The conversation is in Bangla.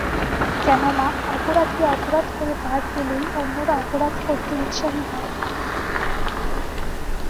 কেননা, অপরাধী অপরাধ করে পার পেলেই অন্যরা অপরাধ করতে উৎসাহী হয়।